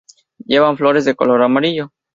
Llevan flores de color amarillo.